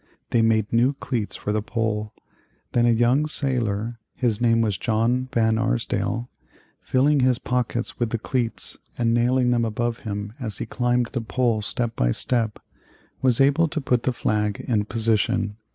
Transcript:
They made new cleats for the pole. Then a young sailor his name was John Van Arsdale filling his pockets with the cleats and nailing them above him as he climbed the pole step by step, was able to put the flag in position.